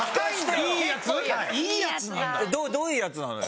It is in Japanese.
どういうやつなのよ？